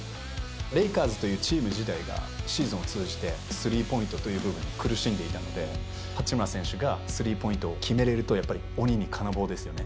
レイカーズというチーム自体が、シーズンを通じてスリーポイントという部分に苦しんでいたので、八村選手がスリーポイントを決めれると、やっぱり鬼に金棒ですよね。